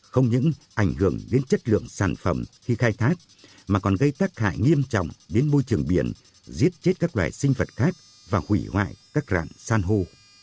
không những ảnh hưởng đến chất lượng sản phẩm khi khai thác mà còn gây tác hại nghiêm trọng đến môi trường biển giết chết các loài sinh vật khác và hủy hoại các rạn san hô